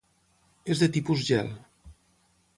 És de tipus Gel.